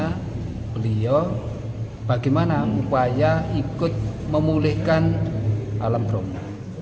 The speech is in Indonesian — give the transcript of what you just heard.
karena beliau bagaimana upaya ikut memulihkan alam bromo